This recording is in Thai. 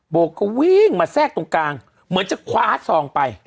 โบก็วิ่งมาแทรกตรงกลางเหมือนจะคว้าซองไป